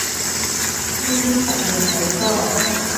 呢啲實用好多